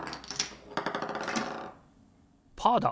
パーだ！